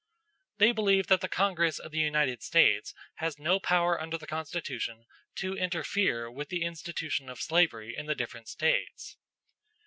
"They believe that the Congress of the United States has no power under the Constitution to interfere with the institution of slavery in the different States."